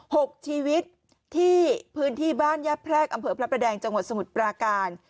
หกชีวิตที่พื้นที่บ้านญาติแพรกอำเภอพระประแดงจังหวัดสมุทรปราการ